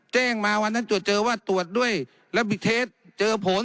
แจ้งมาวันนั้นตรวจเจอว่าตรวจด้วยแล้วบิเทสเจอผล